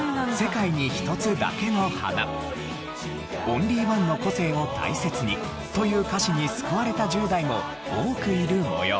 「オンリーワンの個性を大切に」という歌詞に救われた１０代も多くいる模様。